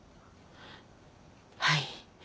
はい。